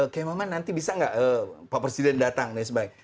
kayak mama nanti bisa nggak pak presiden datang dan sebagainya